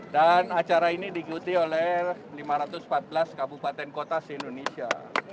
dan acara ini digiuti oleh lima ratus empat belas kabupaten kota di indonesia